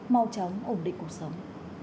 mau chóng ổn định cuộc sống